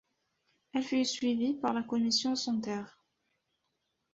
Elle fut suivie par la Commission Santer.